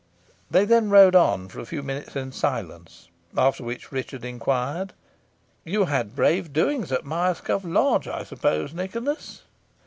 They then rode on for a few minutes in silence, after which; Richard inquired "You had brave doings at Myerscough Lodge, I suppose, Nicholas?"